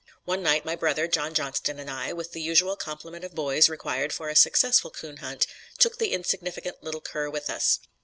One night my brother, John Johnston, and I, with the usual complement of boys required for a successful coon hunt, took the insignificant little cur with us.